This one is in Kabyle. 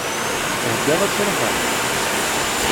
Theggaḍ ad tṛuḥeḍ?